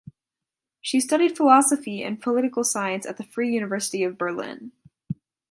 She studied philosophy and political science at the Free University of Berlin.